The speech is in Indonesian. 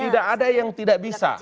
tidak ada yang tidak bisa